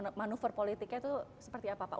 jadi manuver politiknya itu seperti apa pak